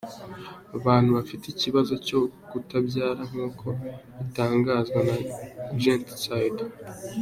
Abantu bafite ikibazo cyo kutabyara nk’uko bitangazwa na gentside.